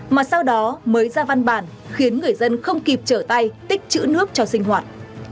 mà sau đó mới ra văn bản khiến người dân không kịp trở tay tích chữ nước cho sinh hoạt